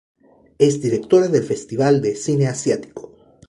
Es directora del Festival de Cine Asiático.